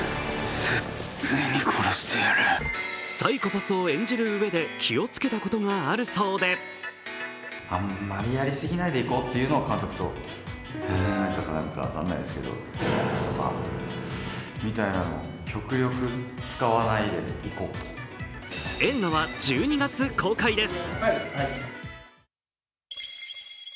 サイコパスを演じる上で気をつけたことがあるそうで映画は１２月公開です。